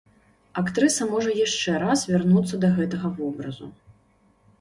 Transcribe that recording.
Актрыса можа яшчэ раз вярнуцца да гэтага вобразу.